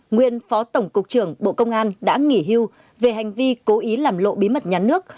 nguyên phó tổng cục trưởng bộ công an đã nghỉ hưu về hành vi cố ý làm lộ bí mật nhà nước